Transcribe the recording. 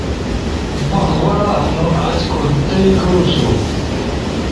مہ غورا ہنو۔ آج کونتئ گؤ سو۔